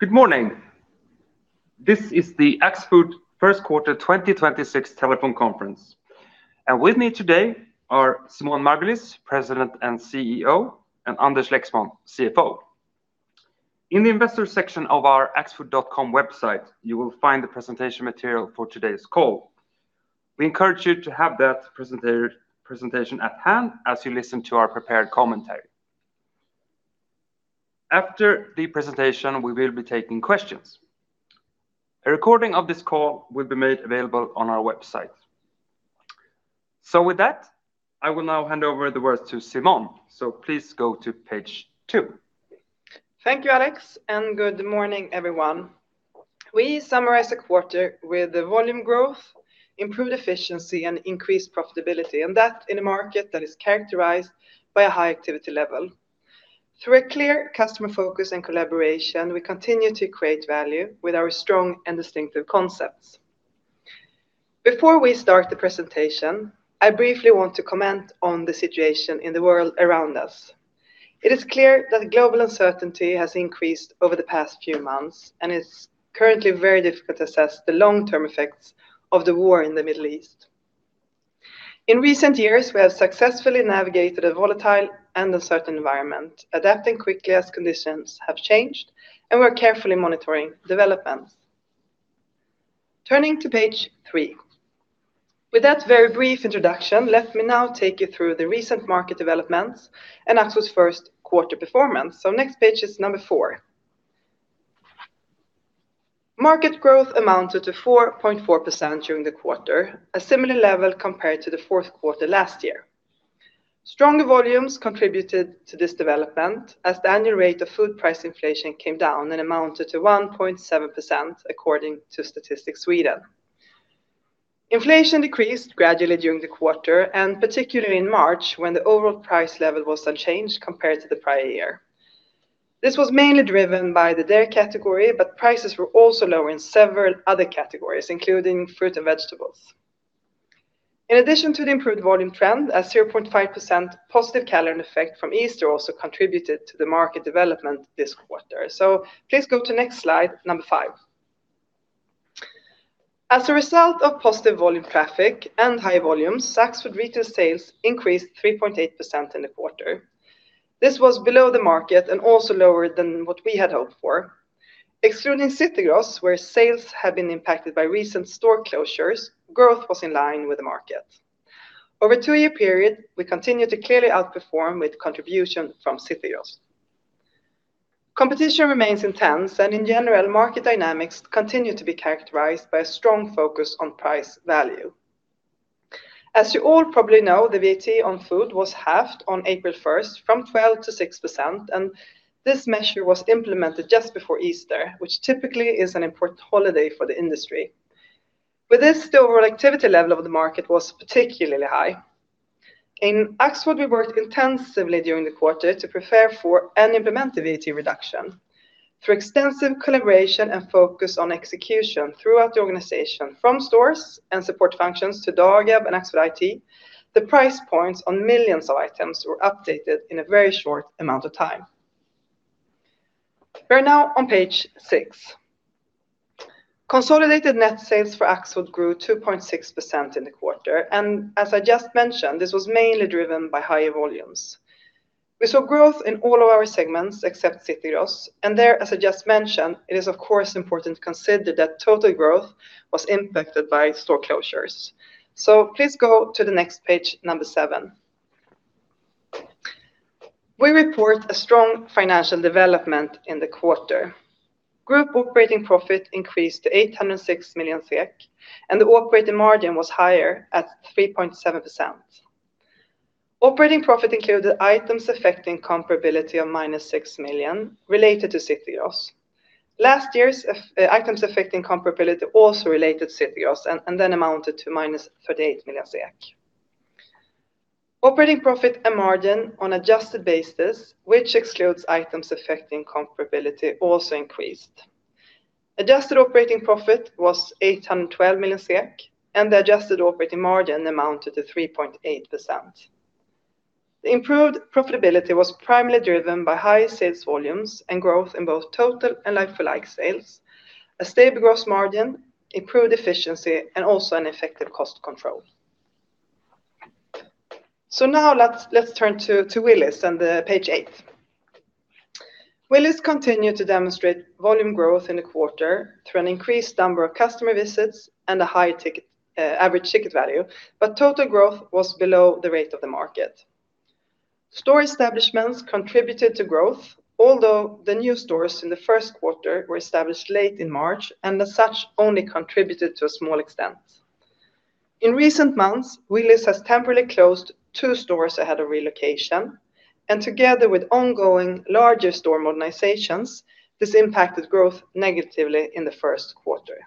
Good morning. This is the Axfood first quarter 2026 telephone conference. With me today are Simone Margulies, President and CEO, and Anders Lexmon, CFO. In the investor section of our axfood.com website, you will find the presentation material for today's call. We encourage you to have that presentation at hand as you listen to our prepared commentary. After the presentation, we will be taking questions. A recording of this call will be made available on our website. With that, I will now hand over the words to Simone. Please go to page two. Thank you, Alex, and good morning, everyone. We summarize a quarter with the volume growth, improved efficiency, and increased profitability, and that in a market that is characterized by a high activity level. Through a clear customer focus and collaboration, we continue to create value with our strong and distinctive concepts. Before we start the presentation, I briefly want to comment on the situation in the world around us. It is clear that global uncertainty has increased over the past few months, and it's currently very difficult to assess the long-term effects of the war in the Middle East. In recent years, we have successfully navigated a volatile and uncertain environment, adapting quickly as conditions have changed, and we're carefully monitoring developments. Turning to page three. With that very brief introduction, let me now take you through the recent market developments and Axfood's first quarter performance. Next page is number four. Market growth amounted to 4.4% during the quarter, a similar level compared to the fourth quarter last year. Stronger volumes contributed to this development as the annual rate of food price inflation came down and amounted to 1.7% according to Statistics Sweden. Inflation decreased gradually during the quarter, and particularly in March when the overall price level was unchanged compared to the prior year. This was mainly driven by the dairy category, but prices were also lower in several other categories, including fruit and vegetables. In addition to the improved volume trend, a 0.5% positive calendar effect from Easter also contributed to the market development this quarter. Please go to next slide, number five. As a result of positive volume traffic and high volumes, Axfood retail sales increased 3.8% in the quarter. This was below the market and also lower than what we had hoped for. Excluding City Gross, where sales have been impacted by recent store closures, growth was in line with the market. Over a two-year period, we continued to clearly outperform with contribution from City Gross. Competition remains intense and, in general, market dynamics continue to be characterized by a strong focus on price value. As you all probably know, the VAT on food was halved on April 1st from 12% to 6%, and this measure was implemented just before Easter, which typically is an important holiday for the industry. With this, the overall activity level of the market was particularly high. In Axfood, we worked intensively during the quarter to prepare for and implement the VAT reduction. Through extensive collaboration and focus on execution throughout the organization, from stores and support functions to Dagab and Axfood IT, the price points on millions of items were updated in a very short amount of time. We're now on page six. Consolidated net sales for Axfood grew 2.6% in the quarter, and as I just mentioned, this was mainly driven by higher volumes. We saw growth in all of our segments except City Gross. There, as I just mentioned, it is of course important to consider that total growth was impacted by store closures. Please go to the next page, number seven. We report a strong financial development in the quarter. Group operating profit increased to 806 million SEK, and the operating margin was higher at 3.7%. Operating profit included items affecting comparability of -6 million, related to City Gross. Last year's items affecting comparability also related to City Gross and then amounted to -38 million. Operating profit and margin on adjusted basis, which excludes items affecting comparability, also increased. Adjusted operating profit was 812 million SEK, and the adjusted operating margin amounted to 3.8%. The improved profitability was primarily driven by high sales volumes and growth in both total and like-for-like sales, a stable gross margin, improved efficiency, and also an effective cost control. Now let's turn to Willys on page eight. Willys continued to demonstrate volume growth in the quarter through an increased number of customer visits and a high average ticket value, but total growth was below the rate of the market. Store establishments contributed to growth, although the new stores in the first quarter were established late in March and as such, only contributed to a small extent. In recent months, Willys has temporarily closed two stores ahead of relocation, and together with ongoing larger store modernizations, this impacted growth negatively in the first quarter.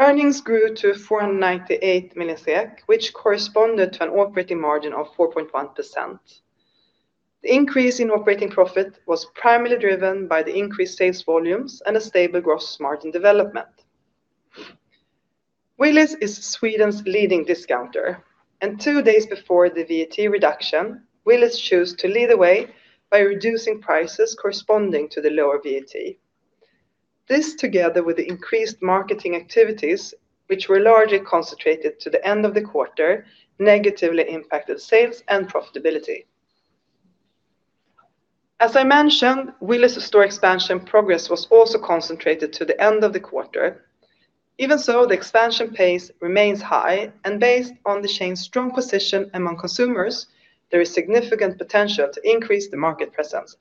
Earnings grew to 498 million SEK, which corresponded to an operating margin of 4.1%. The increase in operating profit was primarily driven by the increased sales volumes and a stable gross margin development. Willys is Sweden's leading discounter, and two days before the VAT reduction, Willys chose to lead the way by reducing prices corresponding to the lower VAT. This, together with the increased marketing activities, which were largely concentrated to the end of the quarter, negatively impacted sales and profitability. As I mentioned, Willys' store expansion progress was also concentrated to the end of the quarter. Even so, the expansion pace remains high and based on the chain's strong position among consumers, there is significant potential to increase the market presence.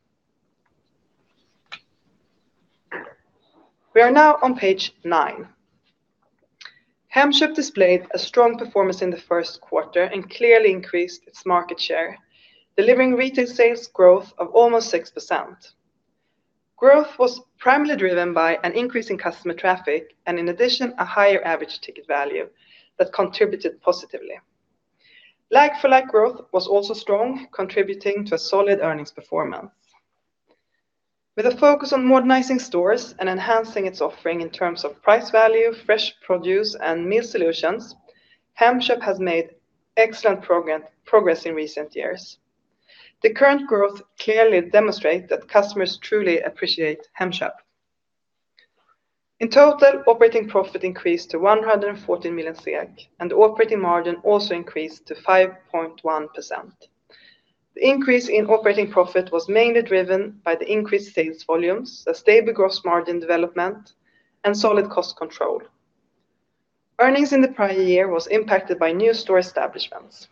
We are now on page nine. Hemköp displayed a strong performance in the first quarter and clearly increased its market share, delivering retail sales growth of almost 6%. Growth was primarily driven by an increase in customer traffic and in addition, a higher average ticket value that contributed positively. Like-for-like growth was also strong, contributing to a solid earnings performance. With a focus on modernizing stores and enhancing its offering in terms of price value, fresh produce, and meal solutions, Hemköp has made excellent progress in recent years. The current growth clearly demonstrate that customers truly appreciate Hemköp. In total, operating profit increased to 114 million, and operating margin also increased to 5.1%. The increase in operating profit was mainly driven by the increased sales volumes, a stable gross margin development, and solid cost control. Earnings in the prior year was impacted by new store establishments.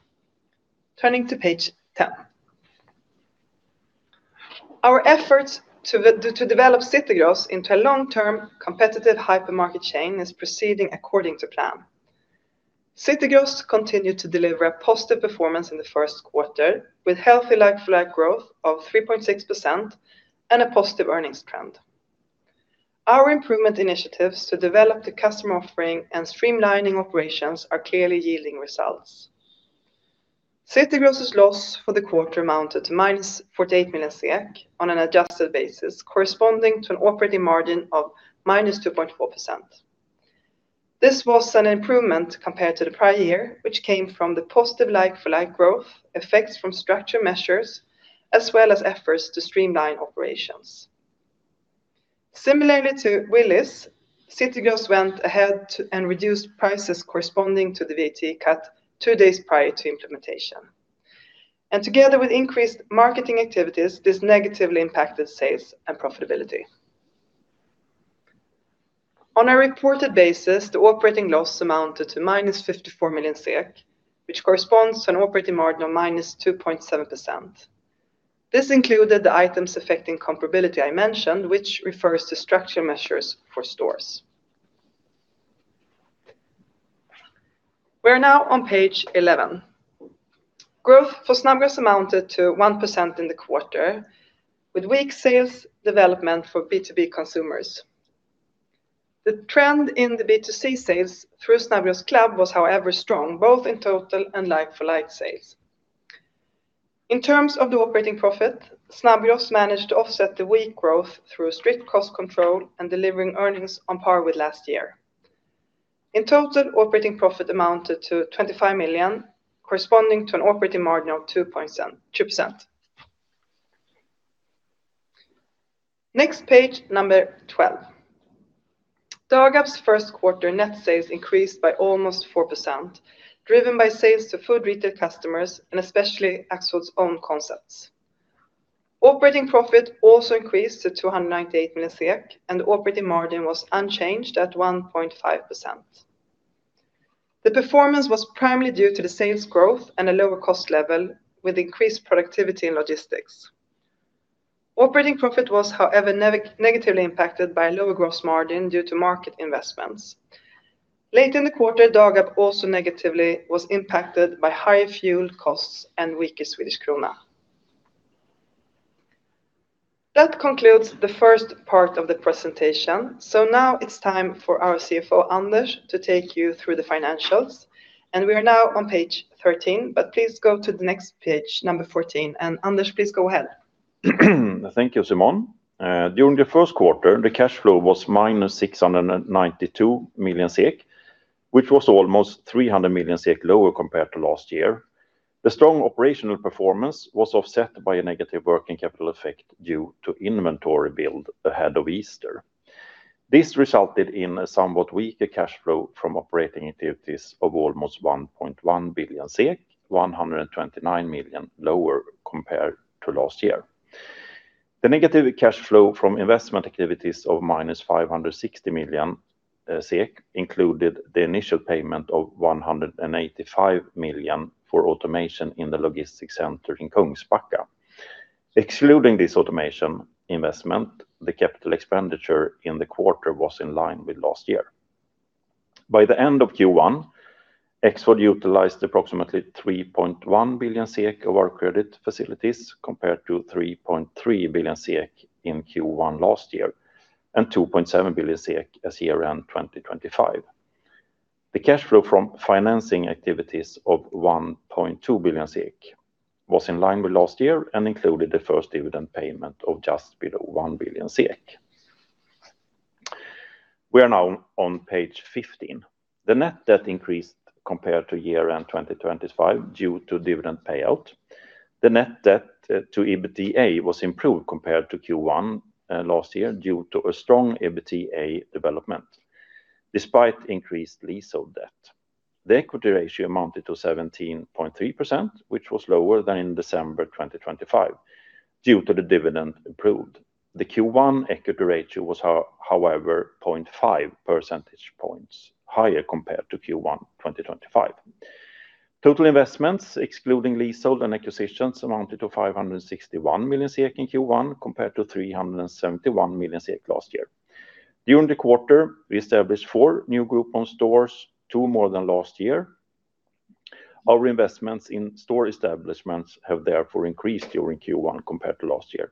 Turning to page 10. Our efforts to develop City Gross into a long-term competitive hypermarket chain is proceeding according to plan. City Gross continued to deliver a positive performance in the first quarter, with healthy like-for-like growth of 3.6% and a positive earnings trend. Our improvement initiatives to develop the customer offering and streamlining operations are clearly yielding results. City Gross's loss for the quarter amounted to -48 million SEK on an adjusted basis corresponding to an operating margin of -2.4%. This was an improvement compared to the prior year, which came from the positive like-for-like growth, effects from structure measures, as well as efforts to streamline operations. Similar to Willys, City Gross went ahead and reduced prices corresponding to the VAT cut two days prior to implementation. Together with increased marketing activities, this negatively impacted sales and profitability. On a reported basis, the operating loss amounted to -54 million SEK, which corresponds to an operating margin of -2.7%. This included the items affecting comparability I mentioned, which refers to structure measures for stores. We are now on page 11. Growth for Snabbgross amounted to 1% in the quarter, with weak sales development for B2B consumers. The trend in the B2C sales through Snabbgross's club was, however, strong, both in total and like-for-like sales. In terms of the operating profit, Snabbgross managed to offset the weak growth through strict cost control and delivering earnings on par with last year. In total, operating profit amounted to 25 million, corresponding to an operating margin of 2%. Next page number 12. Dagab's first quarter net sales increased by almost 4%, driven by sales to food retail customers and especially Axfood's own concepts. Operating profit also increased to 298 million SEK, and operating margin was unchanged at 1.5%. The performance was primarily due to the sales growth and a lower cost level with increased productivity in logistics. Operating profit was, however, negatively impacted by lower gross margin due to market investments. Late in the quarter, Dagab also negatively was impacted by higher fuel costs and weaker Swedish krona. That concludes the first part of the presentation. Now it's time for our CFO, Anders, to take you through the financials, and we are now on page 13, but please go to the next page number 14, and Anders, please go ahead. Thank you, Simone. During the first quarter, the cash flow was -692 million SEK, which was almost 300 million SEK lower compared to last year. The strong operational performance was offset by a negative working capital effect due to inventory build ahead of Easter. This resulted in a somewhat weaker cash flow from operating activities of almost 1.1 billion SEK, 129 million lower compared to last year. The negative cash flow from investment activities of -560 million SEK included the initial payment of 185 million for automation in the logistics center in Kungsbacka. Excluding this automation investment, the capital expenditure in the quarter was in line with last year. By the end of Q1, Axfood utilized approximately 3.1 billion SEK of our credit facilities, compared to 3.3 billion SEK in Q1 last year, and 2.7 billion SEK as year-end 2025. The cash flow from financing activities of 1.2 billion was in line with last year and included the first dividend payment of just below 1 billion. We are now on page 15. The net debt increased compared to year-end 2025 due to dividend payout. The net debt to EBITDA was improved compared to Q1 last year due to a strong EBITDA development despite increased leasehold debt. The equity ratio amounted to 17.3%, which was lower than in December 2025, due to the dividend approved. The Q1 equity ratio was, however, 0.5 percentage points higher compared to Q1 2025. Total investments, excluding leasehold and acquisitions, amounted to 561 million SEK in Q1 compared to 371 million SEK last year. During the quarter, we established four new Group own stores, two more than last year. Our investments in store establishments have therefore increased during Q1 compared to last year.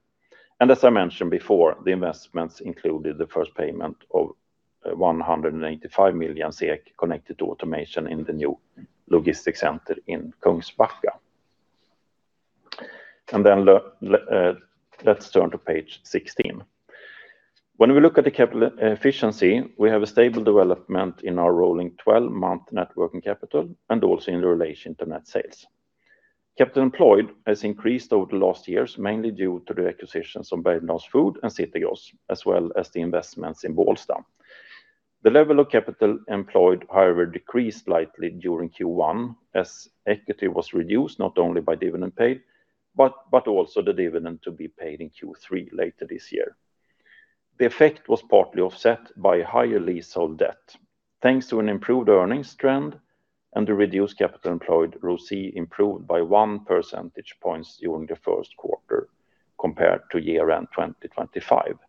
As I mentioned before, the investments included the first payment of 185 million SEK connected to automation in the new logistics center in Kungsbacka. Let's turn to page 16. When we look at the capital efficiency, we have a stable development in our rolling 12-month net working capital and also in relation to net sales. Capital employed has increased over the last years, mainly due to the acquisitions of Bergendahls Food and City Gross, as well as the investments in Bålsta. The level of capital employed, however, decreased slightly during Q1 as equity was reduced not only by dividend paid, but also the dividend to be paid in Q3 later this year. The effect was partly offset by higher leasehold debt. Thanks to an improved earnings trend and the reduced capital employed, ROCE improved by 1 percentage point during the first quarter compared to year-end 2025.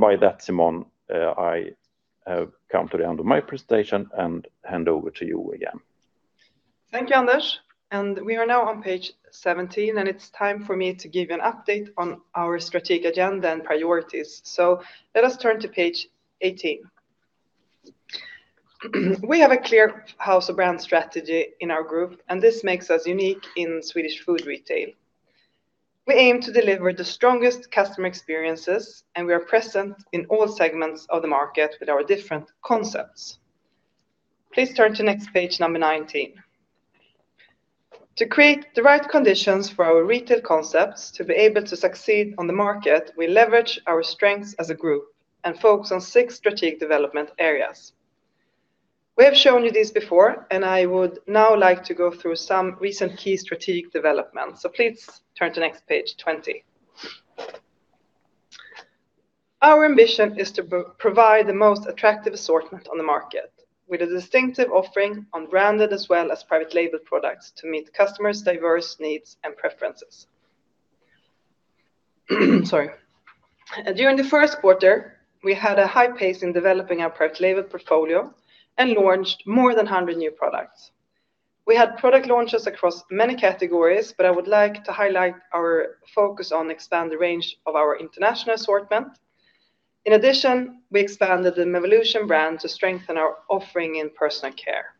By that, Simone, I have come to the end of my presentation and hand over to you again. Thank you, Anders. We are now on page 17, and it's time for me to give you an update on our strategic agenda and priorities. Let us turn to page 18. We have a clear house of brands strategy in our group, and this makes us unique in Swedish food retail. We aim to deliver the strongest customer experiences, and we are present in all segments of the market with our different concepts. Please turn to next page number 19. To create the right conditions for our retail concepts to be able to succeed on the market, we leverage our strengths as a group and focus on six strategic development areas. We have shown you this before, and I would now like to go through some recent key strategic developments. Please turn to next page 20. Our ambition is to provide the most attractive assortment on the market with a distinctive offering on branded as well as private label products to meet customers' diverse needs and preferences. During the first quarter, we had a high pace in developing our private label portfolio and launched more than 100 new products. We had product launches across many categories, but I would like to highlight our focus on expanding the range of our international assortment. In addition, we expanded the Mevolution brand to strengthen our offering in personal care.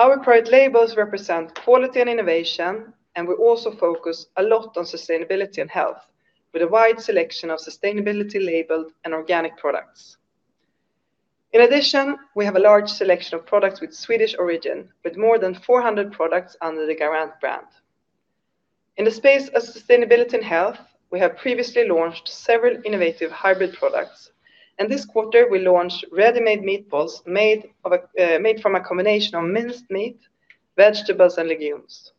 Our private labels represent quality and innovation, and we also focus a lot on sustainability and health with a wide selection of sustainability labeled and organic products. In addition, we have a large selection of products with Swedish origin, with more than 400 products under the Garant brand. In the space of sustainability and health, we have previously launched several innovative hybrid products, and this quarter we launched ready-made meatballs made from a combination of minced meat, vegetables and legumes.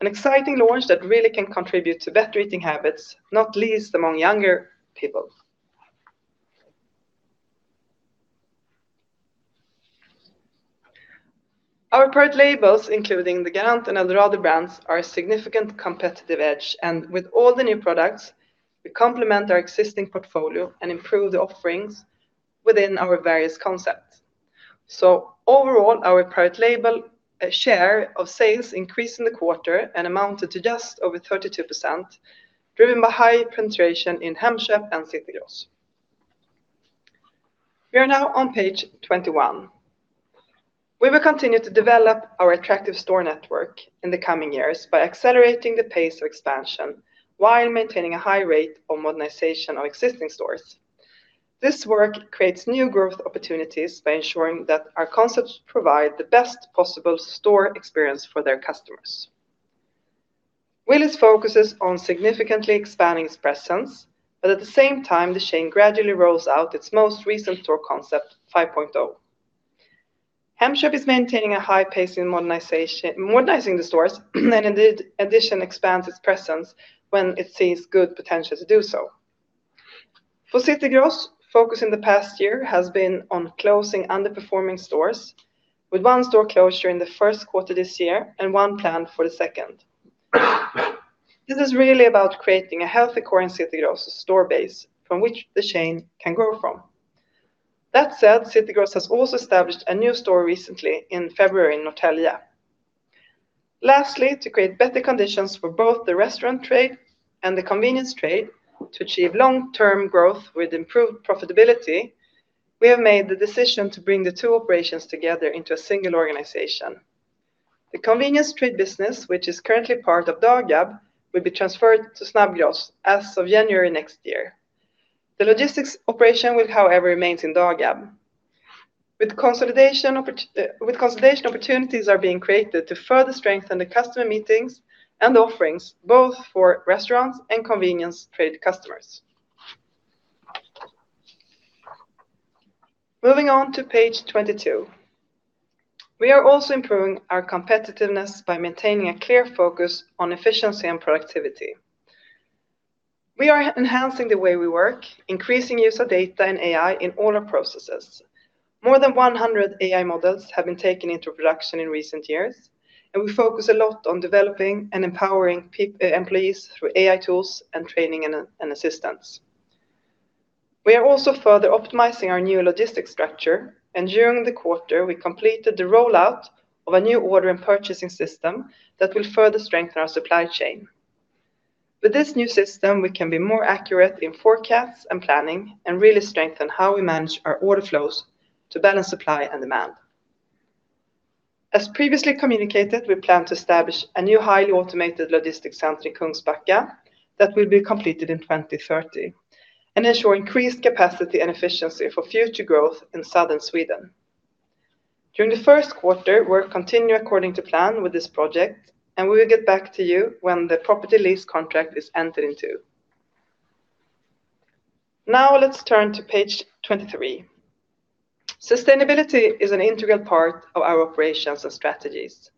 An exciting launch that really can contribute to better eating habits, not least among younger people. Our private labels, including the Garant and Eldorado brands, are a significant competitive edge, and with all the new products, we complement our existing portfolio and improve the offerings within our various concepts. Overall, our private label share of sales increased in the quarter and amounted to just over 32%, driven by high penetration in Hemköp and City Gross. We are now on page 21. We will continue to develop our attractive store network in the coming years by accelerating the pace of expansion while maintaining a high rate of modernization of existing stores. This work creates new growth opportunities by ensuring that our concepts provide the best possible store experience for their customers. Willys focuses on significantly expanding its presence, but at the same time, the chain gradually rolls out its most recent store concept, 5.0. Hemköp is maintaining a high pace in modernizing the stores and in addition, expands its presence when it sees good potential to do so. For City Gross, focus in the past year has been on closing underperforming stores with one store closure in the first quarter this year and one planned for the second. This is really about creating a healthy core in City Gross store base from which the chain can grow from. That said, City Gross has also established a new store recently in February in Norrtälje. Lastly, to create better conditions for both the restaurant trade and the convenience trade to achieve long-term growth with improved profitability. We have made the decision to bring the two operations together into a single organization. The convenience trade business, which is currently part of Dagab, will be transferred to Snabbgross as of January next year. The logistics operation will however remain in Dagab. With consolidation, opportunities are being created to further strengthen the customer meetings and offerings, both for restaurants and convenience trade customers. Moving on to page 22. We are also improving our competitiveness by maintaining a clear focus on efficiency and productivity. We are enhancing the way we work, increasing use of data and AI in all our processes. More than 100 AI models have been taken into production in recent years, and we focus a lot on developing and empowering employees through AI tools and training and assistance. We are also further optimizing our new logistics structure, and during the quarter we completed the rollout of a new order and purchasing system that will further strengthen our supply chain. With this new system, we can be more accurate in forecasts and planning and really strengthen how we manage our order flows to balance supply and demand. As previously communicated, we plan to establish a new highly automated logistics center in Kungsbacka that will be completed in 2030 and ensure increased capacity and efficiency for future growth in southern Sweden. During the first quarter, work continued according to plan with this project, and we will get back to you when the property lease contract is entered into. Now let's turn to page 23. Sustainability is an integral part of our operations and strategies.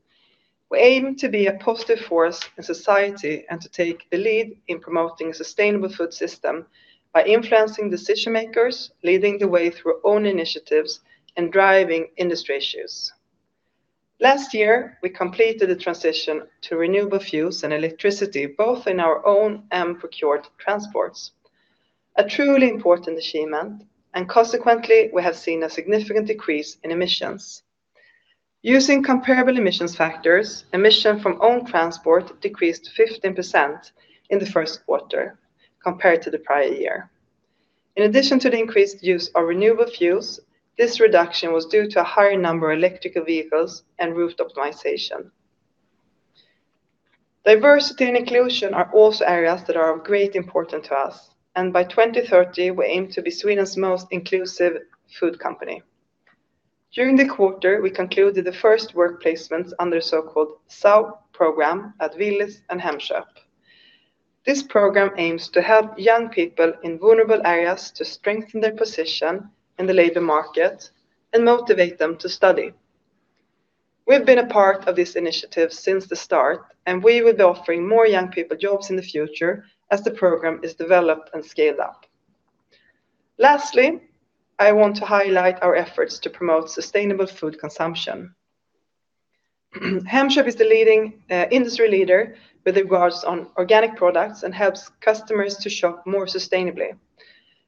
We aim to be a positive force in society and to take the lead in promoting a sustainable food system by influencing decision makers, leading the way through own initiatives, and driving industry issues. Last year, we completed the transition to renewable fuels and electricity, both in our own and procured transports. A truly important achievement, and consequently we have seen a significant decrease in emissions. Using comparable emissions factors, emission from own transport decreased 15% in the first quarter compared to the prior year. In addition to the increased use of renewable fuels, this reduction was due to a higher number of electrical vehicles and route optimization. Diversity and inclusion are also areas that are of great importance to us, and by 2030 we aim to be Sweden's most inclusive food company. During the quarter, we concluded the first work placement under the so-called SAO program at Willys and Hemköp. This program aims to help young people in vulnerable areas to strengthen their position in the labor market and motivate them to study. We've been a part of this initiative since the start, and we will be offering more young people jobs in the future as the program is developed and scaled up. Lastly, I want to highlight our efforts to promote sustainable food consumption. Hemköp is the industry leader with regard to organic products and helps customers to shop more sustainably.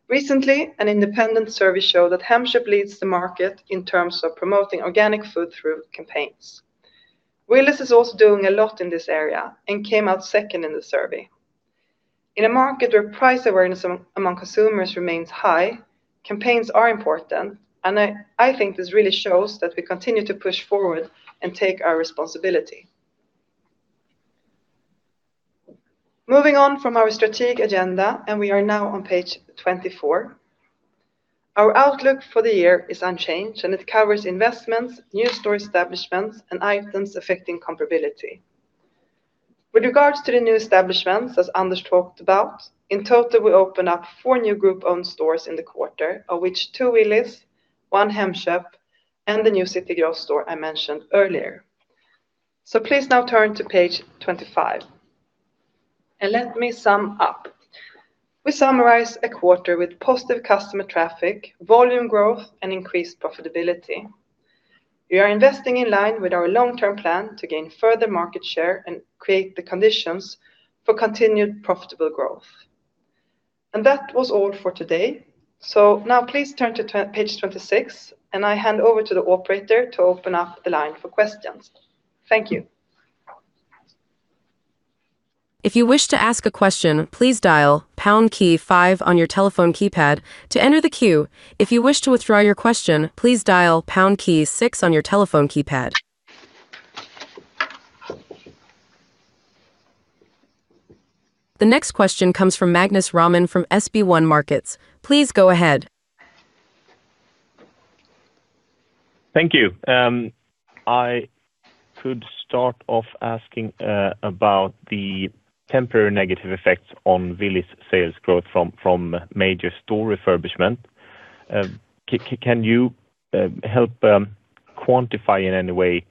Recently, an independent survey showed that Hemköp leads the market in terms of promoting organic food through campaigns. Willys is also doing a lot in this area and came out second in the survey. In a market where price awareness among consumers remains high, campaigns are important, and I think this really shows that we continue to push forward and take our responsibility. Moving on from our strategic agenda. We are now on page 24. Our outlook for the year is unchanged, and it covers investments, new store establishments, and items affecting comparability. With regards to the new establishments, as Anders talked about, in total, we opened up four new group-owned stores in the quarter, of which two Willys, one Hemköp, and the new City Gross store I mentioned earlier. Please now turn to page 25, and let me sum up. We summarize a quarter with positive customer traffic, volume growth, and increased profitability. We are investing in line with our long-term plan to gain further market share and create the conditions for continued profitable growth. That was all for today. Now please turn to page 26, and I hand over to the operator to open up the line for questions. Thank you. If you wish to ask a question, please dial pound key five on your telephone keypad to enter the queue. If you wish to withdraw your question, please dial pound key six on your telephone keypad. The next question comes from Magnus Råman from SpareBank 1 Markets. Please go ahead. Thank you. I could start off asking about the temporary negative effects on Willys' sales growth from major store refurbishment. Can you help quantify in any way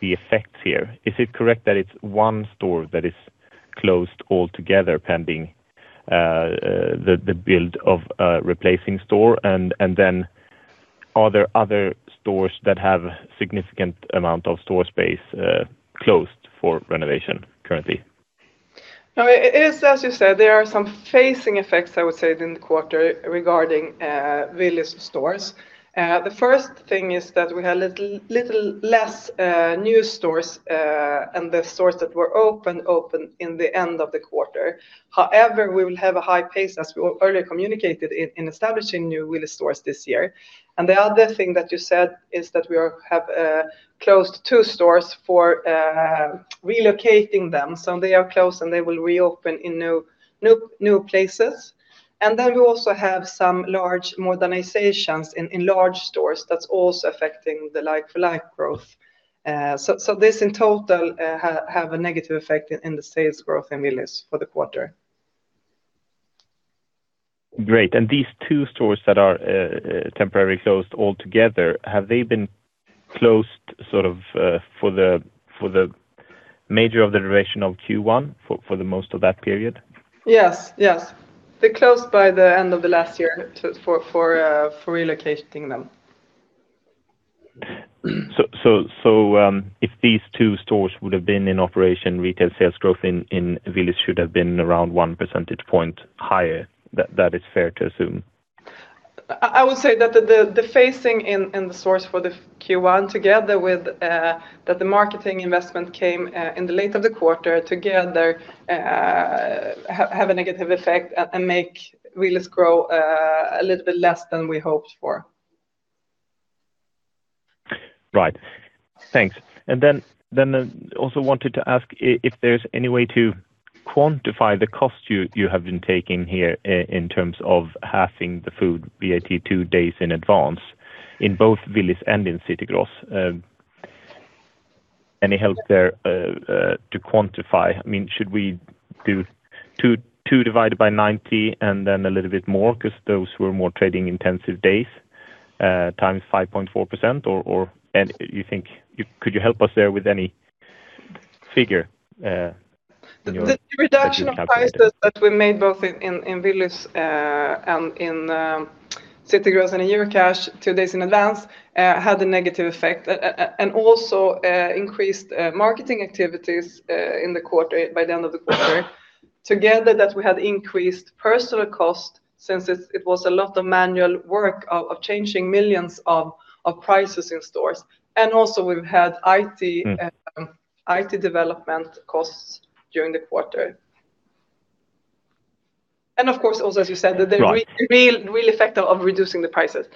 the effects here? Is it correct that it's one store that is closed altogether pending the build of replacing store? And then are there other stores that have significant amount of store space closed for renovation currently? It is as you said, there are some phasing effects, I would say, in the quarter regarding Willys stores. The first thing is that we had a little less new stores, and the stores that were open, opened in the end of the quarter. However, we will have a high pace as we earlier communicated in establishing new Willys stores this year. The other thing that you said is that we have closed two stores for relocating them. They are closed and they will reopen in new places. Then we also have some large modernizations in large stores that's also affecting the like-for-like growth. This in total have a negative effect in the sales growth in Willys for the quarter. Great. These 2 stores that are temporarily closed altogether, have they been closed sort of for the majority of the duration of Q1, for the most of that period? Yes. They closed by the end of the last year for relocating them. If these two stores would have been in operation, retail sales growth in Willys should have been around one percentage point higher. That is fair to assume? I would say that the phasing in the stores for the Q1, together with that the marketing investment came in late in the quarter together have a negative effect and make Willys grow a little bit less than we hoped for. Right. Thanks. Also wanted to ask if there's any way to quantify the cost you have been taking here in terms of halving the food EBIT two days in advance in both Willys and in City Gross. Any help there to quantify? Should we do 2 divided by 90 and then a little bit more because those were more trading intensive days, times 5.4%? Or could you help us there with any figure? The reduction of prices that we made both in Willys and in City Gross and Eurocash two days in advance, had a negative effect and also increased marketing activities by the end of the quarter. Together, that we had increased personnel cost since it was a lot of manual work of changing millions of prices in stores. Also we've had IT- Mm-hmm IT development costs during the quarter. Of course, also as you said. Right the real effect of reducing the prices.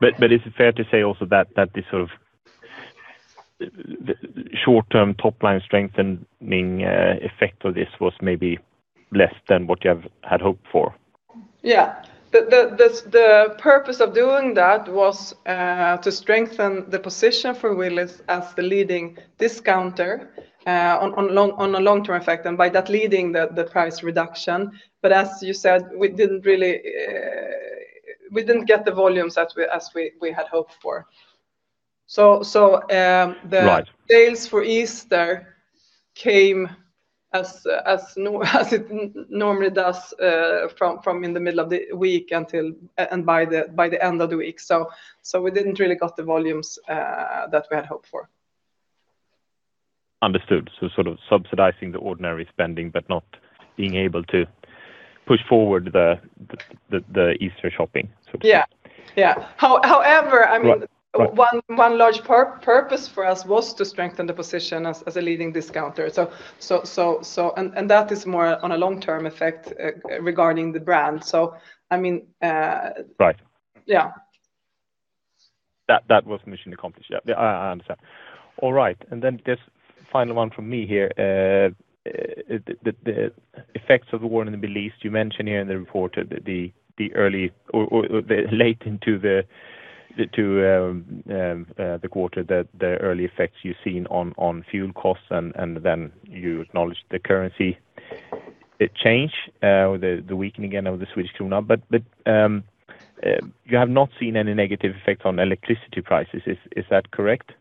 Is it fair to say also that the sort of short-term top-line strengthening effect of this was maybe less than what you have had hoped for? Yeah. The purpose of doing that was to strengthen the position for Willys as the leading discounter on a long-term effect, and by that leading the price reduction. As you said, we didn't get the volumes as we had hoped for. Right The sales for Easter came as it normally does from the middle of the week and by the end of the week. We didn't really get the volumes that we had hoped for. Understood. Sort of subsidizing the ordinary spending, but not being able to push forward the Easter shopping, so to say. Yeah. However. Right One large purpose for us was to strengthen the position as a leading discounter. That is more on a long-term effect regarding the brand. I mean Right. Yeah. That was mission accomplished. Yeah. I understand. All right. Just final one from me here. The effects of the war in the Middle East, you mentioned here in the report that the early effects you've seen on fuel costs and then you acknowledged the currency change, the weakening again of the Swedish krona. You have not seen any negative effect on electricity prices. Is that correct?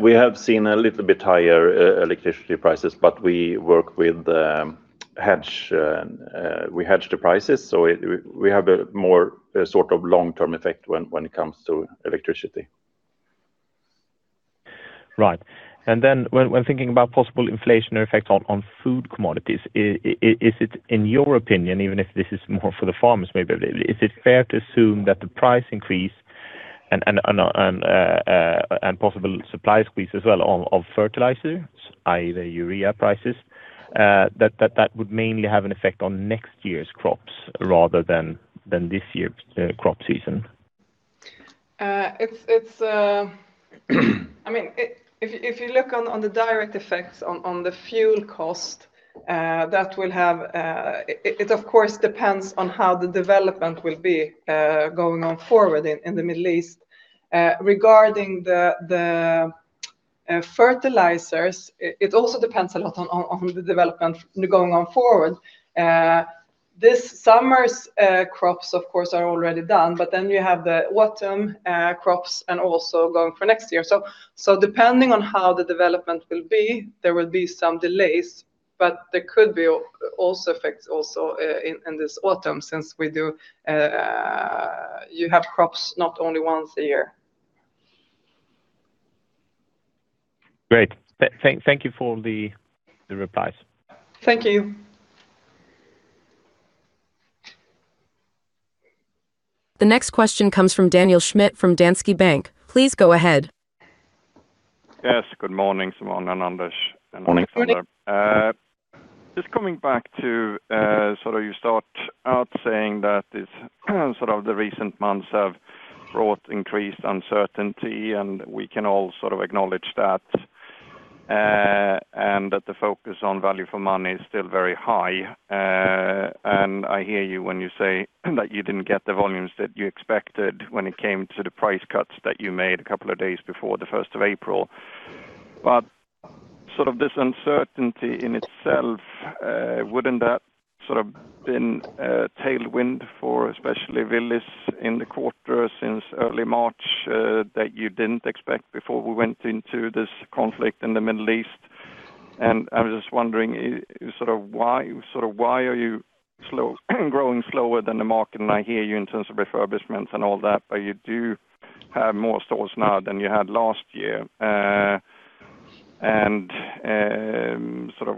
We have seen a little bit higher electricity prices, but we work with the hedge. We hedge the prices, so we have a more sort of long-term effect when it comes to electricity. Right. When thinking about possible inflationary effects on food commodities, is it in your opinion, even if this is more for the farmers maybe, is it fair to assume that the price increase and possible supply squeeze as well of fertilizers, i.e. the urea prices, that would mainly have an effect on next year's crops rather than this year's crop season? If you look on the direct effects on the fuel cost, it of course depends on how the development will be going on forward in the Middle East. Regarding the fertilizers, it also depends a lot on the development going on forward. This summer's crops of course are already done, but then you have the autumn crops and also going for next year. Depending on how the development will be, there will be some delays, but there could be effects also in this autumn, since you have crops not only once a year. Great. Thank you for the replies. Thank you. The next question comes from Daniel Schmidt from Danske Bank. Please go ahead. Yes, good morning, Simone and Anders. Morning. Good morning. Just coming back to you start out saying that the recent months have brought increased uncertainty, and we can all acknowledge that, and that the focus on value for money is still very high. I hear you when you say that you didn't get the volumes that you expected when it came to the price cuts that you made a couple of days before the 1st of April. This uncertainty in itself, wouldn't that been a tailwind for especially Willys in the quarter since early March, that you didn't expect before we went into this conflict in the Middle East? I was just wondering, why are you growing slower than the market? I hear you in terms of refurbishments and all that, but you do have more stores now than you had last year.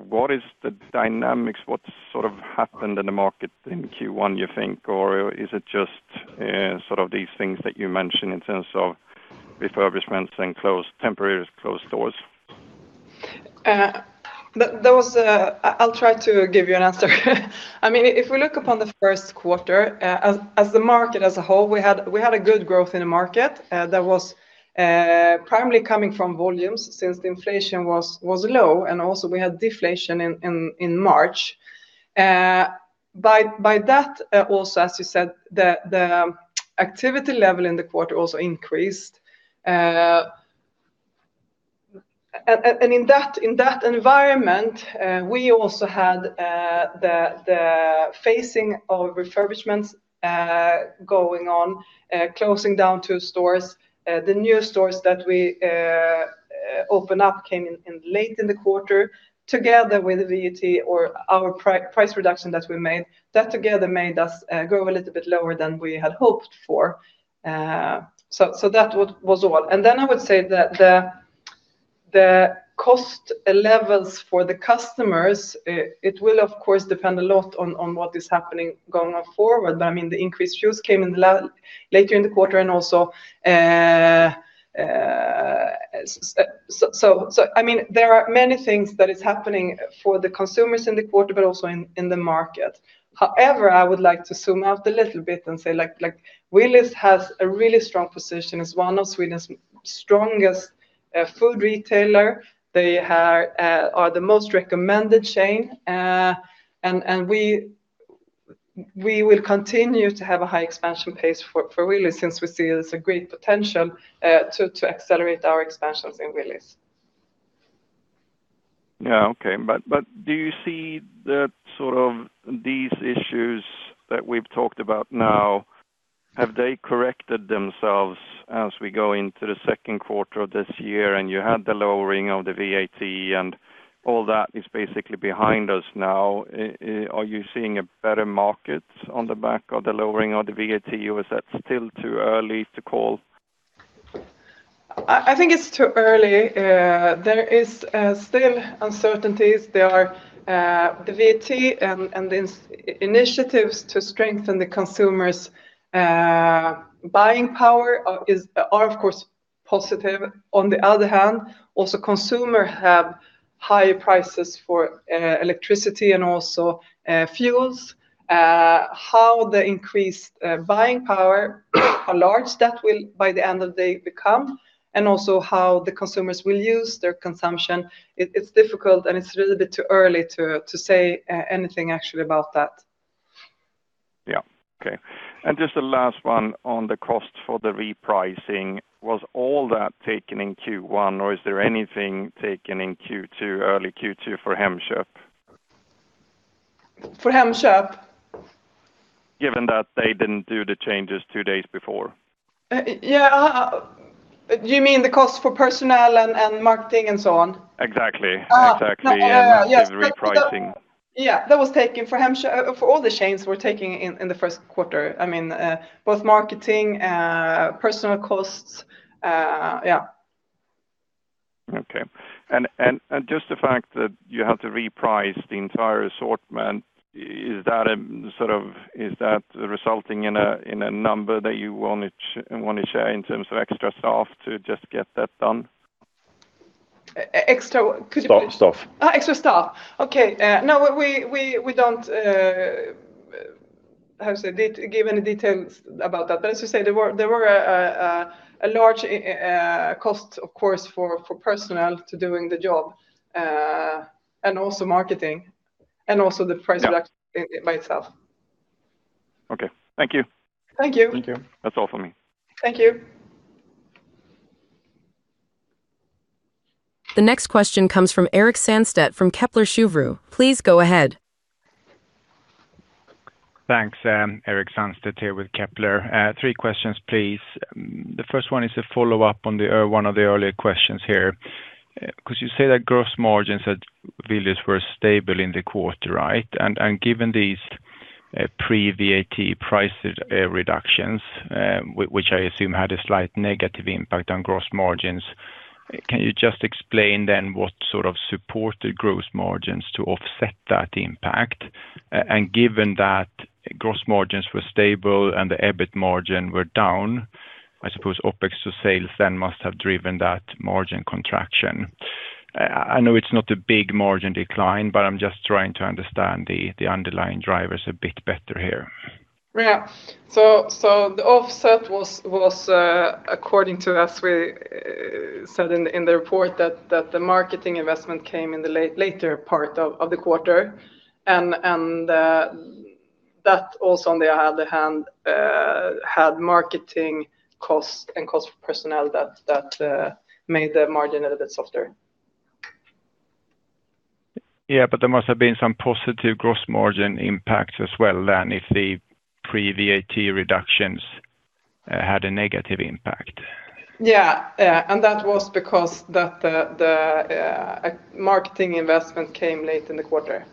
What is the dynamics? What's happened in the market in Q1, you think? Or is it just these things that you mentioned in terms of refurbishments and temporarily closed stores? I'll try to give you an answer. If we look upon the first quarter, as the market as a whole, we had a good growth in the market that was primarily coming from volumes since the inflation was low and also we had deflation in March. By that also, as you said, the activity level in the quarter also increased. In that environment, we also had the phasing of refurbishments going on, closing down two stores. The new stores that we open up came in late in the quarter together with VAT or our price reduction that we made. That together made us grow a little bit lower than we had hoped for. That was all. Then I would say that the cost levels for the customers, it will of course depend a lot on what is happening going forward. The increased use came later in the quarter. There are many things that is happening for the consumers in the quarter, but also in the market. However, I would like to zoom out a little bit and say, Willys has a really strong position as one of Sweden's strongest food retailer. They are the most recommended chain. We will continue to have a high expansion pace for Willys since we see there's a great potential to accelerate our expansions in Willys. Yeah, okay. Do you see that these issues that we've talked about now, have they corrected themselves as we go into the second quarter of this year? You had the lowering of the VAT and all that is basically behind us now. Are you seeing a better market on the back of the lowering of the VAT, or is that still too early to call? I think it's too early. There is still uncertainties. There are the VAT and the initiatives to strengthen the consumers' buying power are of course positive. On the other hand, also consumers have high prices for electricity and also fuels. How the increased buying power, how large that will be by the end of the day become, and also how the consumers will use their consumption, it's difficult and it's a little bit too early to say anything actually about that. Yeah. Okay. Just the last one on the cost for the repricing. Was all that taken in Q1 or is there anything taken in early Q2 for Hemköp? For Hemköp? Given that they didn't do the changes two days before. You mean the cost for personnel and marketing and so on? Exactly. Ah. Exactly, massive repricing. Yeah, that was taken for all the chains. We were taking in the first quarter both marketing and personnel costs. Yeah. Okay. Just the fact that you had to reprice the entire assortment, is that resulting in a number that you want to share in terms of extra staff to just get that done? Extra could you- Staff Extra staff? Okay. No, we don't, how to say, give any details about that. As you say, there were a large cost, of course, for personnel to doing the job, and also marketing, and also the price reduction by itself. Okay. Thank you. Thank you. Thank you. That's all for me. Thank you. The next question comes from Erik Sandstedt from Kepler Cheuvreux. Please go ahead. Thanks. Erik Sandstedt here with Kepler. Three questions please. The first one is a follow-up on one of the earlier questions here, because you say that gross margins at Willys were stable in the quarter, right? And given these pre VAT price reductions, which I assume had a slight negative impact on gross margins, can you just explain then what sort of supported gross margins to offset that impact? And given that gross margins were stable and the EBIT margin were down, I suppose OpEx to sales then must have driven that margin contraction. I know it's not a big margin decline, but I'm just trying to understand the underlying drivers a bit better here. Yeah. The offset was according to as we said in the report, that the marketing investment came in the later part of the quarter, and that also on the other hand, had marketing cost and cost personnel that made the margin a little bit softer. Yeah. There must have been some positive gross margin impacts as well then, if the pre VAT reductions had a negative impact. Yeah. That was because the marketing investment came late in the quarter.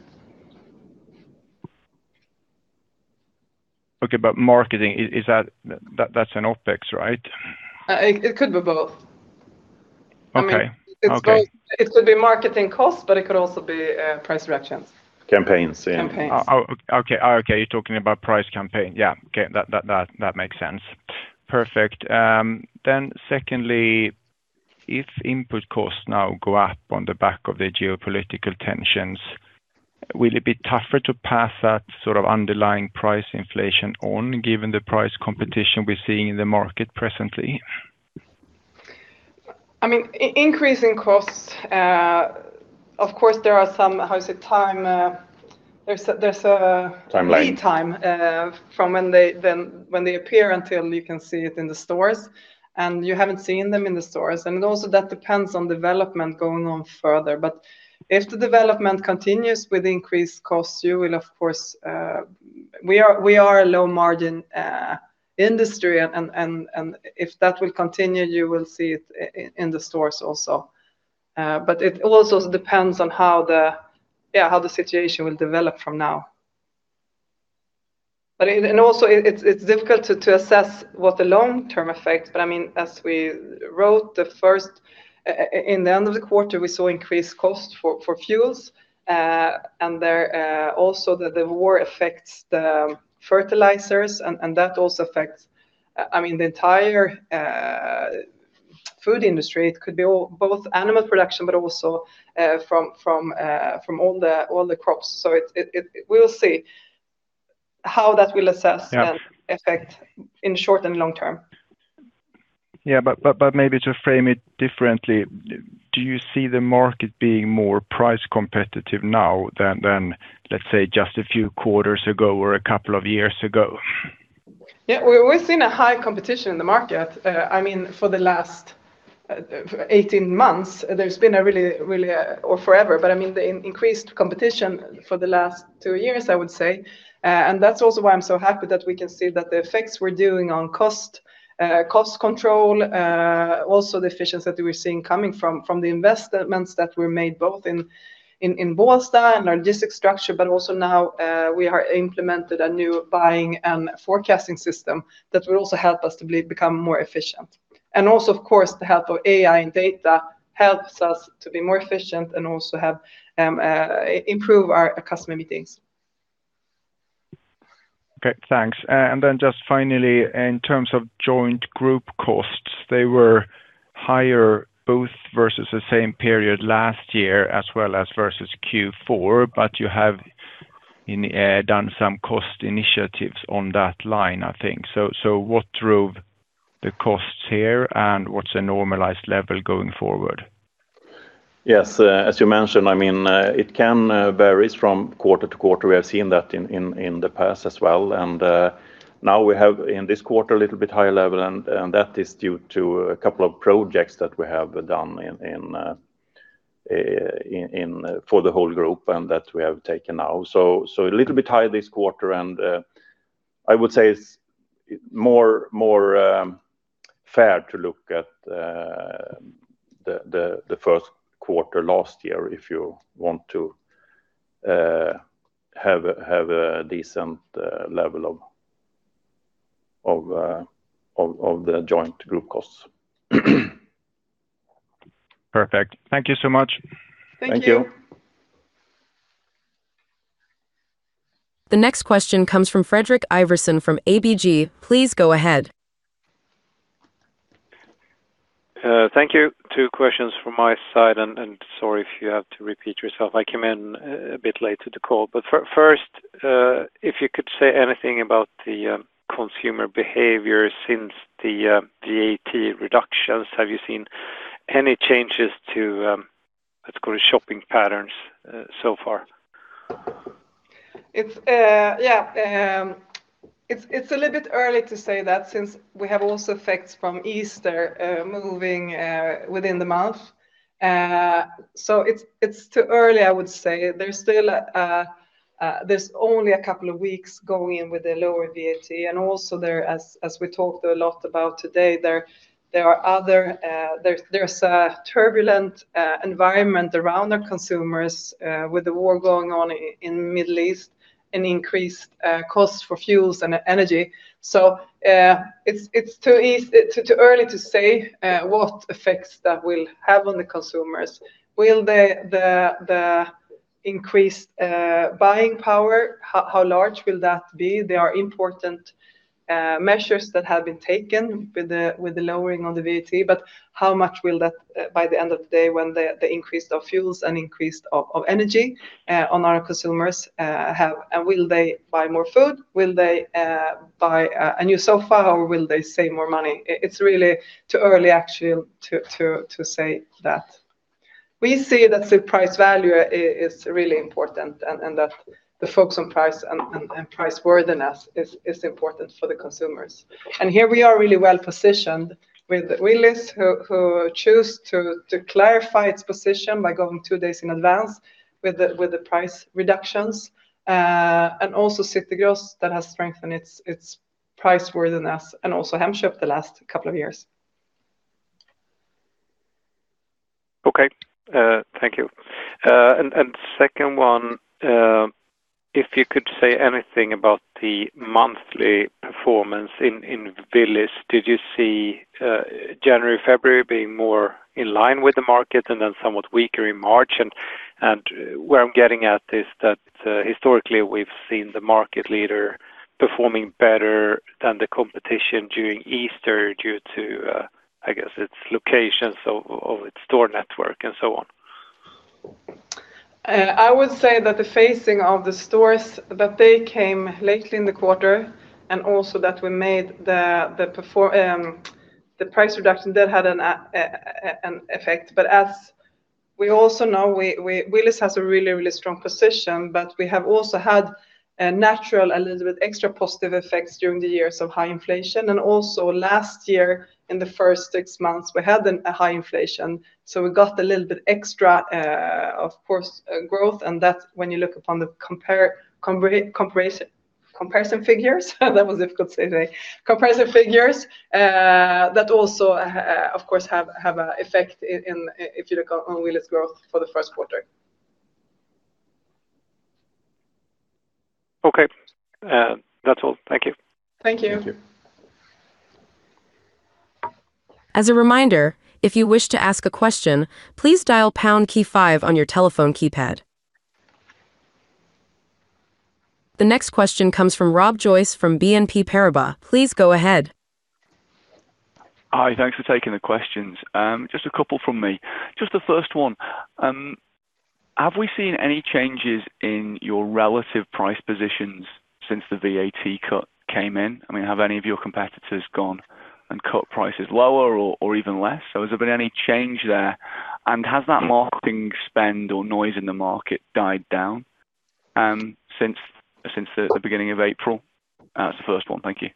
Okay. Marketing, that's an OpEx, right? It could be both. Okay. It could be marketing costs, but it could also be price reductions. Campaigns, yeah. Campaigns. Okay. You're talking about price campaign. Yeah. Okay. That makes sense. Perfect. Secondly, if input costs now go up on the back of the geopolitical tensions, will it be tougher to pass that sort of underlying price inflation on, given the price competition we're seeing in the market presently? Increasing costs, of course, there are some, how is it? Time. Timeline. Lead time from when they appear until you can see it in the stores, and you haven't seen them in the stores. Also that depends on development going on further. If the development continues with increased costs, we are a low margin industry and if that will continue, you will see it in the stores also. It also depends on how the situation will develop from now. Also it's difficult to assess what the long term effect, but as we wrote, in the end of the quarter, we saw increased cost for fuels, and also that the war affects the fertilizers and that also affects the entire food industry. It could be both animal production, but also from all the crops. We will see how that will assess and affect in short and long term. Yeah. Maybe to frame it differently, do you see the market being more price competitive now than, let's say, just a few quarters ago or a couple of years ago? Yeah. We've seen a high competition in the market. For the last 18 months, there's been a really, or forever, but the increased competition for the last two years I would say, and that's also why I'm so happy that we can see that the effects we're doing on cost control, also the efficiency we're seeing coming from the investments that were made both in Bålsta and our district structure, but also now we have implemented a new buying and forecasting system that will also help us to become more efficient. Also, of course, the help of AI and data helps us to be more efficient and also improve our customer meetings. Okay, thanks. Then just finally, in terms of joint group costs, they were higher both versus the same period last year as well as versus Q4. You have done some cost initiatives on that line I think. What drove the costs here and what's a normalized level going forward? Yes. As you mentioned, it can vary from quarter-to-quarter. We have seen that in the past as well. Now we have in this quarter a little bit higher level, and that is due to a couple of projects that we have done for the whole group and that we have taken now. A little bit high this quarter, and I would say it's more fair to look at the first quarter last year if you want to have a decent level of the joint group costs. Perfect. Thank you so much. Thank you. Thank you. The next question comes from Fredrik Ivarsson from ABG. Please go ahead. Thank you. Two questions from my side, and sorry if you have to repeat yourself. I came in a bit late to the call. First, if you could say anything about the consumer behavior since the VAT reductions? Have you seen any changes to, let's call it shopping patterns so far? Yeah. It's a little bit early to say that since we have also effects from Easter moving within the month. It's too early, I would say. There's only a couple of weeks going in with the lower VAT, and also, as we talked a lot about today, there's a turbulent environment around our consumers with the war going on in Middle East and increased costs for fuels and energy. It's too early to say what effects that will have on the consumers. Will the increased buying power, how large will that be? There are important measures that have been taken with the lowering of the VAT, but how much will that, by the end of the day when the increase of fuels and increase of energy on our consumers have, and will they buy more food? Will they buy a new sofa or will they save more money? It's really too early, actually, to say that. We see that the price value is really important and that the focus on price and price worthiness is important for the consumers. Here we are really well-positioned with Willys, who choose to clarify its position by going two days in advance with the price reductions, and also City Gross that has strengthened its price worthiness, and also Hemköp the last couple of years. Okay. Thank you. Second one, if you could say anything about the monthly performance in Willys. Did you see January, February being more in line with the market and then somewhat weaker in March? Where I'm getting at is that historically we've seen the market leader performing better than the competition during Easter due to, I guess, its locations of its store network and so on. I would say that the phasing of the stores, that they came late in the quarter and also that we made the price reduction, that had an effect. As we also know, Willys has a really, really strong position, but we have also had natural, a little bit extra positive effects during the years of high inflation. Also last year in the first six months, we had a high inflation, so we got a little bit extra, of course, growth, and that's when you look upon the comparison figures, that was difficult to say today. Comparison figures that also, of course, have an effect if you look on Willys' growth for the first quarter. Okay. That's all. Thank you. Thank you. Thank you. As a reminder, if you wish to ask a question, please dial pound key five on your telephone keypad. The next question comes from Rob Joyce from BNP Paribas. Please go ahead. Hi. Thanks for taking the questions. Just a couple from me. Just the first one, have we seen any changes in your relative price positions since the VAT cut came in? Have any of your competitors gone and cut prices lower or even less? Has there been any change there? Has that marketing spend or noise in the market died down since the beginning of April? That's the first one. Thank you.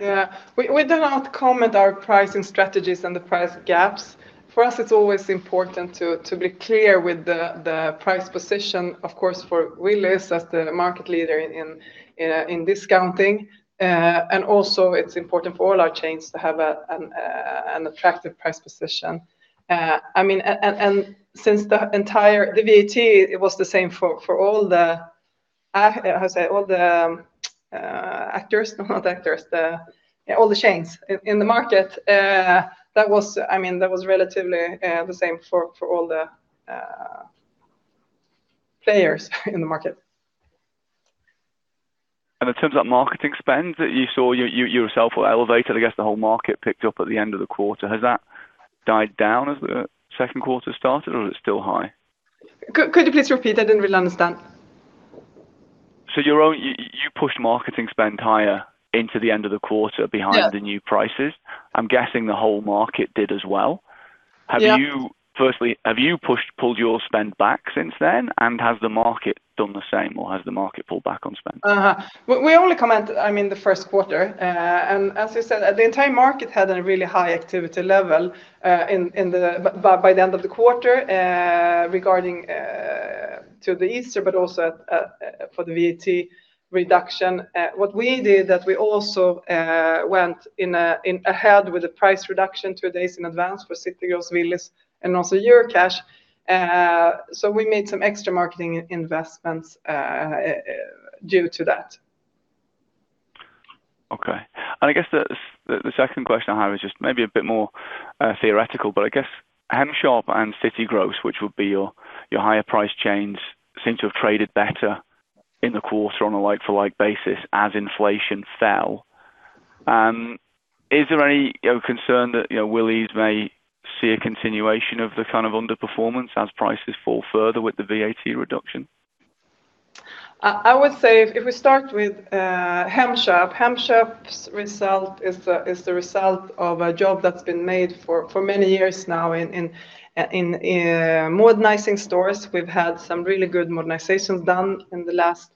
Yeah. We do not comment our pricing strategies and the price gaps. For us, it's always important to be clear with the price position, of course, for Willys as the market leader in discounting. Also it's important for all our chains to have an attractive price position. Since the VAT, it was the same for all the actors. Not actors, all the chains in the market. That was relatively the same for all the players in the market. In terms of marketing spend that you saw yourself were elevated, I guess the whole market picked up at the end of the quarter. Has that died down as the second quarter started, or is it still high? Could you please repeat? I didn't really understand. You pushed marketing spend higher into the end of the quarter behind. Yeah The new prices. I'm guessing the whole market did as well. Yeah. Firstly, have you pulled your spend back since then, and has the market done the same, or has the market pulled back on spend? We only comment the first quarter, and as I said, the entire market had a really high activity level by the end of the quarter regarding the Easter, but also for the VAT reduction. What we did, that we also went ahead with the price reduction two days in advance for City Gross, Willys, and also Eurocash. We made some extra marketing investments due to that. Okay. I guess the second question I have is just maybe a bit more theoretical, but I guess Hemköp and City Gross, which would be your higher priced chains, seem to have traded better in the quarter on a like-for-like basis as inflation fell. Is there any concern that Willys may see a continuation of the kind of underperformance as prices fall further with the VAT reduction? I would say if we start with Hemköp's result is the result of a job that's been made for many years now in modernizing stores. We've had some really good modernizations done in the last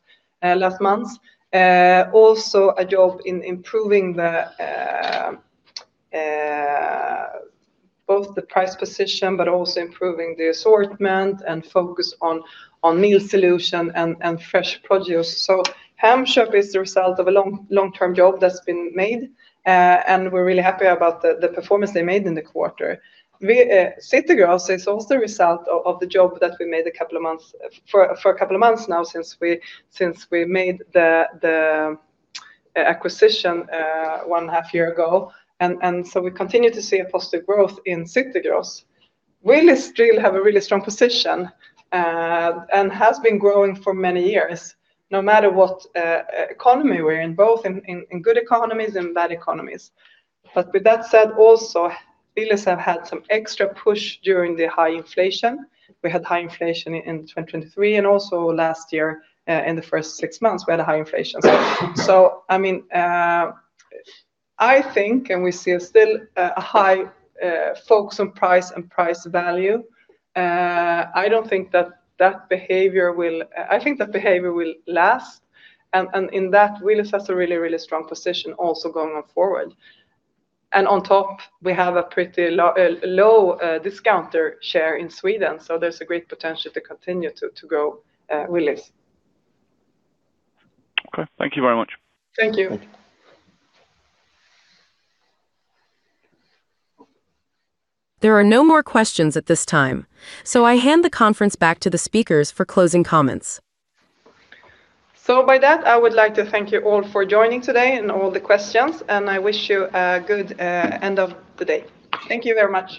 months. Also a job in improving both the price position, but also improving the assortment and focus on meal solution and fresh produce. Hemköp is the result of a long-term job that's been made, and we're really happy about the performance they made in the quarter. City Gross is also a result of the job that we made for a couple of months now, since we made the acquisition one half year ago. We continue to see a positive growth in City Gross. Willys still have a really strong position and has been growing for many years, no matter what economy we're in, both in good economies and bad economies. With that said, also Willys have had some extra push during the high inflation. We had high inflation in 2023 and also last year, in the first six months, we had a high inflation. I think, and we see still a high focus on price and price value. I think that behavior will last and in that Willys has a really, really strong position also going forward. On top, we have a pretty low discounter share in Sweden, so there's a great potential to continue to grow Willys. Okay. Thank you very much. Thank you. There are no more questions at this time, so I hand the conference back to the speakers for closing comments. With that, I would like to thank you all for joining today and all the questions, and I wish you a good end of the day. Thank you very much.